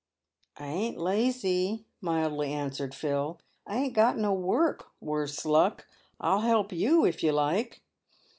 " I ain't lazy," mildly answered Phil. " I ain't got no work, worse luck. I'll help you, if you like."